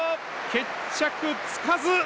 決着つかず！